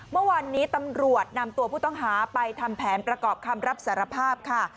เมื่อวานนี้ตำรวจนำตัวผู้ต้องหาไปทำแผนประกอบคำรับสารภาพค่ะ